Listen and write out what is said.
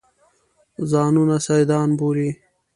ځانونه سیدان بولي.